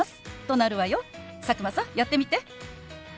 佐久間さんやってみて！